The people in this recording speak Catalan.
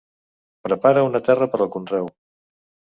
Prepara una terra per al conreu.